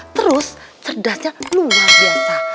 terus cerdasnya luar biasa